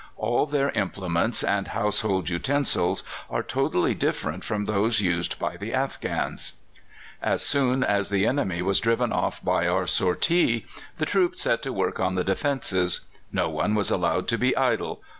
All their implements and household utensils are totally different from those used by the Afghans. As soon as the enemy was driven off by our sortie the troops set to work on the defences. No one was allowed to be idle.